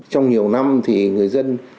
trong nhiều năm thì người dân